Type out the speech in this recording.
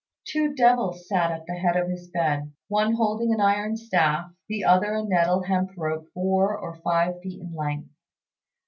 Two devils sat at the head of his bed, one holding an iron staff, the other a nettle hemp rope four or five feet in length.